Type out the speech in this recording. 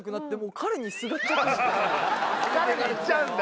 彼にいっちゃうんだ